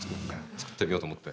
作ってあげようと思って？